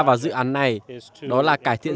vào dự án này đó là cải thiện